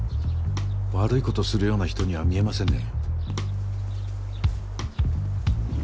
悪いことするような人には見えませんね。